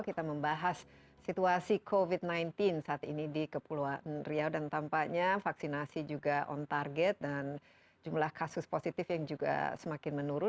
kita membahas situasi covid sembilan belas saat ini di kepulauan riau dan tampaknya vaksinasi juga on target dan jumlah kasus positif yang juga semakin menurun